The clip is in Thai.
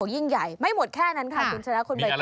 ยิ่งใหญ่ไม่หมดแค่นั้นค่ะคุณศาลาคุณบัยกรม